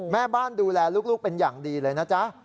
แม่บ้านดูแลลูกเป็นอย่างดีเลยนะจ๊ะ